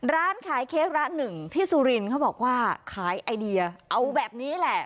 ร้านขายเค้กร้านหนึ่งที่สุรินทร์เขาบอกว่าขายไอเดียเอาแบบนี้แหละ